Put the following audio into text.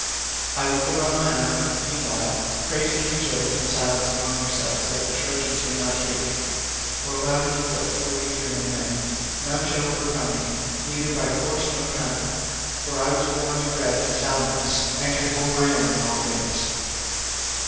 I will put on my armour; meanwhile, pray to King Jove in silence among yourselves that the Trojans may not hear you—or aloud if you will, for we fear no man. None shall overcome me, neither by force nor cunning, for I was born and bred in Salamis, and can hold my own in all things."